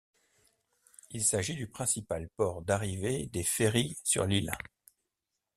Il s'agit du principal port d'arrivée des ferrys sur l'île.